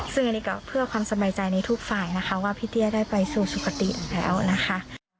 ซึ่งอันนี้ก็เพื่อความสบายใจในทุกฝ่ายนะคะว่าพี่เตี้ยได้ไปสู่สุขติอีกแล้วนะคะ